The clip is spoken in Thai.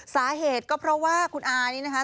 สาเหตุก็เพราะว่าคุณอานี่นะคะ